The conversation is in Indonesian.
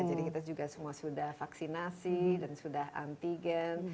jadi kita juga semua sudah vaksinasi dan sudah antigen